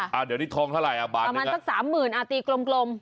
เดี๋ยวนี้ท้องเท่าไหร่อ่ะบาทนึงอ่ะประมาณสัก๓๐๐๐๐อ่ะตีกลม